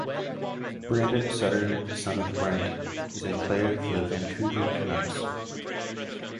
Brandon Sutter, son of Brent, is a player for the Vancouver Canucks.